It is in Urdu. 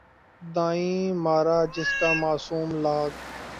دائیں مارا جسا معصوم لاگ